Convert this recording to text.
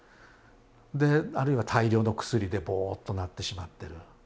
であるいは大量の薬でボーッとなってしまってる。